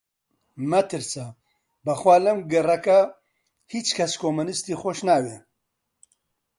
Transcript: مەترسە! بە خوا لەم گەڕەکە هیچ کەس کۆمۆنیستی خۆش ناوێ